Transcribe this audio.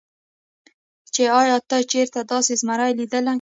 چې ايا تا چرته داسې زمرے ليدلے